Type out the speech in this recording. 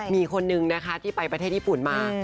มีคนนึงนะคะที่ไปประเทศญี่ปุ่นมา